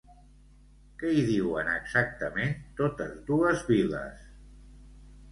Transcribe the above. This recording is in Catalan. Què hi diuen exactament totes dues vil·les?